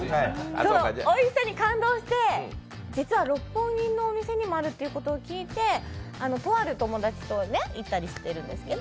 そのおいしさに感動して実は六本木のお店にもあるということを聞いて、とある友達と行ったりしてるんですけど。